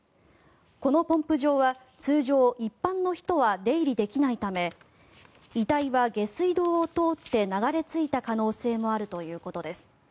このポンプ場は通常、一般の人は出入りできないため遺体は下水道を通って流れ着いた可能性もあるということです。